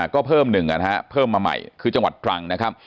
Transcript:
ก็เพิ่มหนึ่งนะฮะเพิ่มมาใหม่คือจังหวัดตรังนะครับ